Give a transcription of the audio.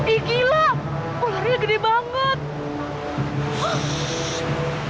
ih gila ularnya gede banget